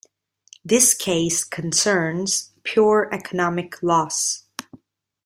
This case concerns pure economic loss.